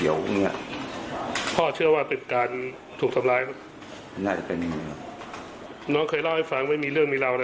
อยู่กับใคร